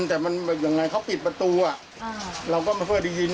แต่มันยังไงเขาปิดประตูเราก็เผื่อได้ยิน